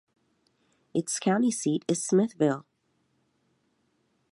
Its county seat is Smithville.